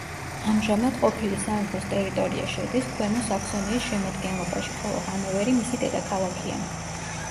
ამჟამად ყოფილი სამეფოს ტერიტორია შედის ქვემო საქსონიის შემადგენლობაში, ხოლო ჰანოვერი მისი დედაქალაქია.